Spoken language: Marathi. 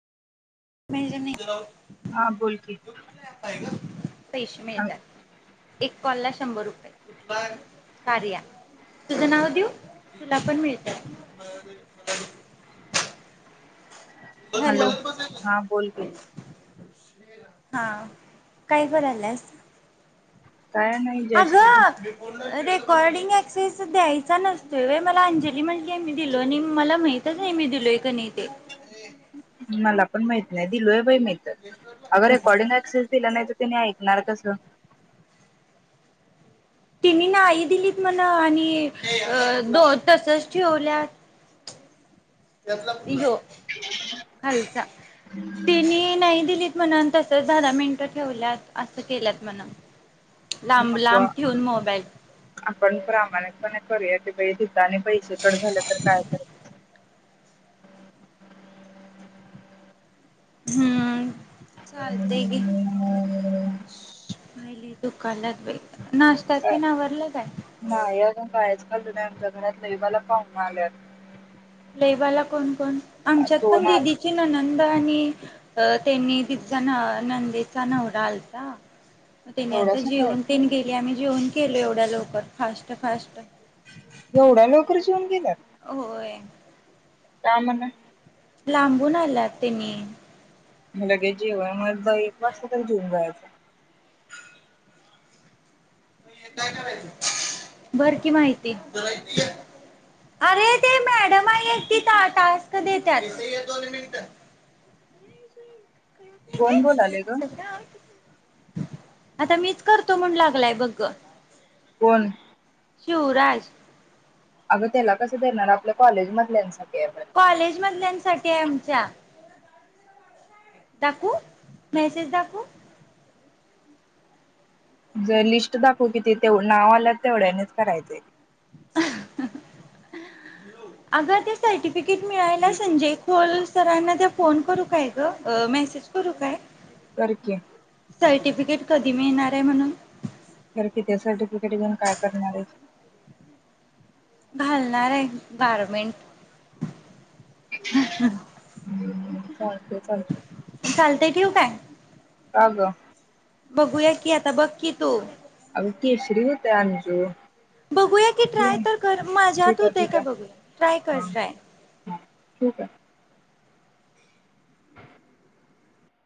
[inaudible] हा बोल की पैसे ह मिळतात एक कॉल ला शंभर रुपये. कार्या तुझं नाव देऊ तुला पण मिळत. हॅलो हा बोल की हा काय करायलास. काय नाही जस्ट बस अगं कॉर्डिंग क्सेस द्यायचा नसतोय मला अंजली म्हटलीय मी दिलो आणि मला माहितच नाही मी दिलोय क नाही ते मला पण माहिती. नाही दिलो बाई मी. अगं रकॉडिंगक्सेस दिला नाही तर तेनी एक होणार कसं तिने नाही दिलीत म्हणा आणि द तसच ठेवल्यात हो खालचा तिनी नाही दिलीत म्हणून तस दध मिनट ठेवल्यात असं केल्यात म्हणून लांब नको लांब ठेऊून मोबाईल आपण प्रामाणिकपणे करूया की आणि पैसेकड झालं तर काय कर हम्म चालतय गी पाहिले दुकानत नाश्त्याचे नावरलं काय गना ल मला पाऊ आल्यात ललेवाला कोण कोण आमच्यात पण दोन आ दिदीची ननांद आणि त्यांनी तिचा नंदेचा नवरा आलचा म तेनी एवढ्या आता जेवन सकाळी तने गेली आम्ही जेवन केलो एवढ्या लवकर फास्ट फास्ट एवढा लोकररी जेऊन गेला होय काय म्हण लांबून आल्यात तेनी लगेच [unintelligible] घेऊन जायच काय करायचं भर की माहिती आरे ते मॅडम आहे ती टा टास्क देत्यात कोण बोलालय ग? आता मीच करतो म्हणून लागलाय बघ गं कोण? शिवराज आगं तेला कसं देणार आपल्या कॉलेजमधल्यान साठी कॉलेज मधल्यांसाठी आहे आमच्या दाकवू मेसेज दाकवू जर लिस्ट दाखव कि ती ते नाव आलय तेवढ्यानीच करायच हाय ते आग ते सर्टिफिकेट मिळायला संजय खोल सरांना ते फोन करू काय ग मेसेज करू काय? कर की सर्टिफिकेट कधी मिळणार आहे म्हणून खर कि ते सर्टिफिकेट घेऊन काय करणार आहीस? घालणार आहे की गारमेंट हू चालतय चालतय चालतंय ठेवू काय? का गं बघूया की आता बघ की तू आगं केशरी होत आंजी बघूया की ट्राय तर कर माझ्यात ठीक आहे होतय ठीक काय आहे बघूया ट्राय कर हा, ट्राय हा ठीक आहे.